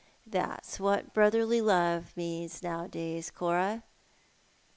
That's what brotherly love means nowadays, Cora.